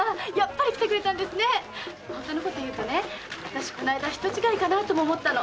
本当のこと言うとねこないだ人違いかなとも思ったの。